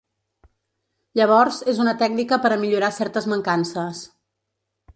Llavors, és una tècnica per a millorar certes mancances.